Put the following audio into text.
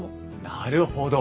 なるほど。